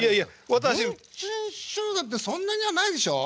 文珍師匠だってそんなにはないでしょう？